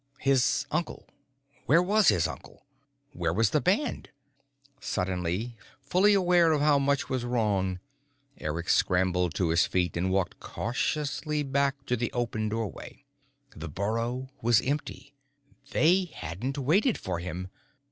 His uncle. Where was his uncle? Where was the band? Suddenly fully aware of how much was wrong, Eric scrambled to his feet and walked cautiously back to the open doorway. The burrow was empty. They hadn't waited for him.